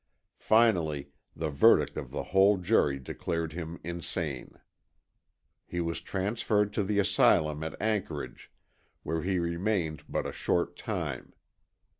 Finally, the verdict of the whole jury declared him insane. He was transferred to the Asylum at Anchorage where he remained but a short time.